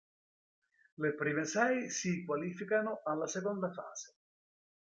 Le prime sei si qualificano alla seconda fase.